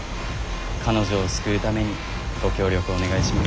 彼女を救うためにご協力お願いします。